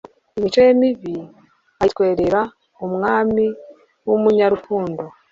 Imico ye mibi ayitwerera Umwami w'Umunyarukundo.